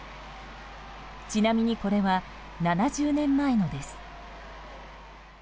ちなみに、これは７０年前のです。